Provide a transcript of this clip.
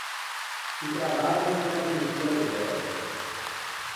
O travaggia inte unn’agençia de viægi.